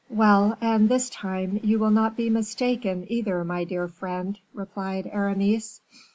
"Well, and this time you will not be mistaken, either, my dear friend," replied Aramis.